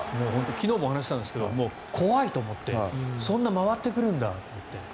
昨日もお話ししたんですが怖いと思ってそんなに回ってくるんだと思って。